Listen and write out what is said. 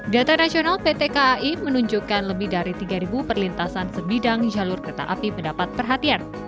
data nasional pt kai menunjukkan lebih dari tiga perlintasan sebidang jalur kereta api mendapat perhatian